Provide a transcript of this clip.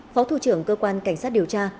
phó thủ trưởng cơ quan cảnh sát điều tra